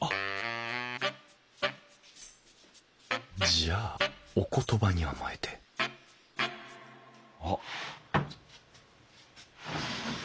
じゃあお言葉に甘えてあっ。